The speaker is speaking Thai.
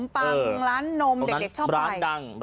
เป็นร้านขนมปังหรือร้านนมเด็กชอบไป